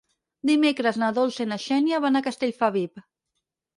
Dimecres na Dolça i na Xènia van a Castellfabib.